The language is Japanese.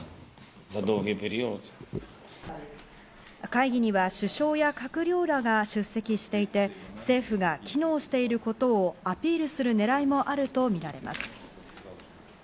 会議には首相や閣僚らが出席していて、政府が機能していることをアピールする狙いもあるとみられます。